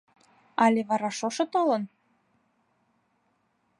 Але вара шошо толын?